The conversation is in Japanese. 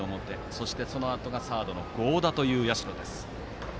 そしてそのあとがサードの合田という社。